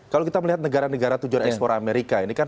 kalau kita melihat negara negara tujuan ekspor amerika ini kan